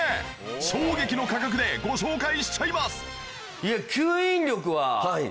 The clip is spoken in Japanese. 衝撃の価格でご紹介しちゃいます。